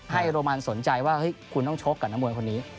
โรมันสนใจว่าคุณต้องชกกับนักมวยคนนี้